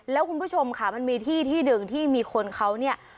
แล้วคุณผู้ชมค่ะมันมีที่ที่หนึ่งที่มีคนเขาเนี่ย